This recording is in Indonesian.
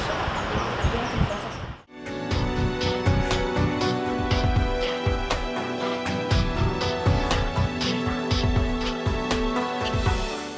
kita akan menikmati